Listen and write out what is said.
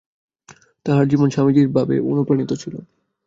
তাঁহার জীবন স্বামীজীর ভাবে অনুপ্রাণিত ছিল।